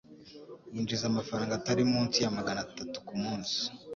Yinjiza amafaranga atari munsi ya magana atatu kumunsi.